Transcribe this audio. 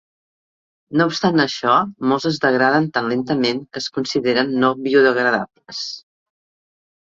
No obstant això, molts es degraden tan lentament que es consideren no biodegradables.